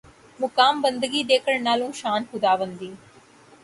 مقام بندگی دے کر نہ لوں شان خداوندی